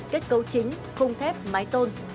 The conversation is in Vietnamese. kết cấu chính không thép mái tôn